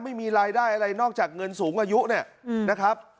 ไม่มีรายได้อะไรนอกจากเงินสูงอายุเนี่ยนะครับ